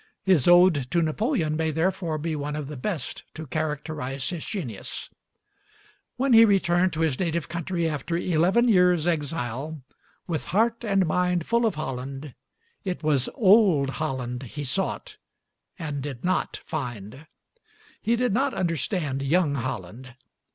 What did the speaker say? His ode to Napoleon may therefore be one of the best to characterize his genius. When he returned to his native country after eleven years' exile, with heart and mind full of Holland, it was old Holland he sought and did not find. He did not understand young Holland.